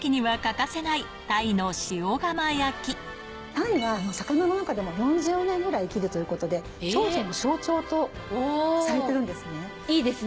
鯛は魚の中でも４０年ぐらい生きるということで長寿の象徴とされてるんですね。